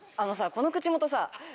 この口元さ。